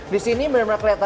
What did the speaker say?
di sini benar benar kereta